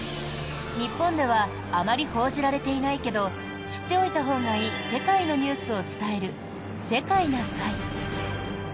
日本ではあまり報じられていないけど知っておいたほうがいい世界のニュースを伝える「世界な会」。